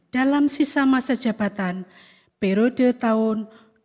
dalam sisa masa jabatan periode tahun dua ribu sembilan belas dua ribu dua puluh empat